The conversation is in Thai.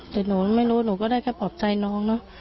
แต่หนูไม่รู้หนูก็ได้แค่ปลอบใจน้องเนอะ